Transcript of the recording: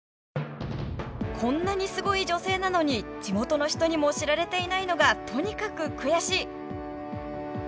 こんなにすごい女性なのに地元の人にも知られていないのがとにかく悔しい。